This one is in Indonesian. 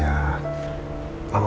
kamu dari mana aja